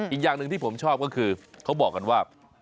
อีกอย่างหนึ่งที่ผมชอบก็คือเขาบอกกันว่า